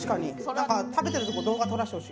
食べてるところ動画撮らせてほしい。